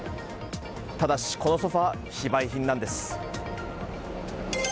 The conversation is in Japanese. ただしこのソファ、非売品なんです。